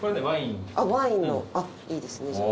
ワインのあっいいですね。